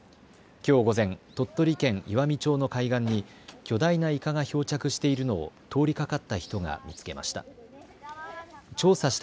きょう午前、鳥取県岩美町の海岸に巨大なイカが漂着しているのを通りかかった人が見つけました。